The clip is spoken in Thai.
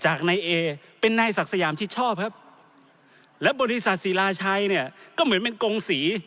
นายเอเป็นนายศักดิ์สยามชิดชอบครับและบริษัทศิลาชัยเนี่ยก็เหมือนเป็นกงศรี